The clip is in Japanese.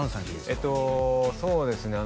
えっとそうですね